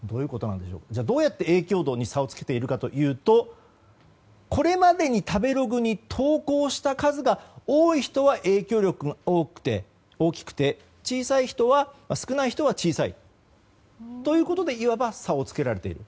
どうやって影響度に差をつけているかというとこれまでに食べログに投稿した数が多い人は影響力も大きくて少ない人は小さいということでということで、いわば差をつけられている。